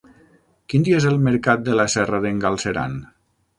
Quin dia és el mercat de la Serra d'en Galceran?